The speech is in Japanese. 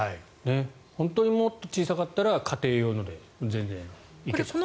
本当にもっと小さかったら家庭用ので全然いけそう。